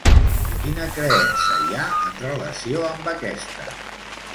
Quina creença hi ha en relació amb aquesta?